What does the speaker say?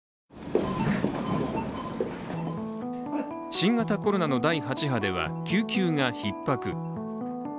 新型コロナの第８波では救急がひっ迫。